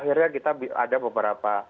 akhirnya kita ada beberapa